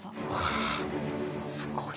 あすごい。